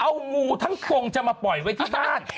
เอางูทั้งฟงจะมาปล่อยไว้ที่บ้าน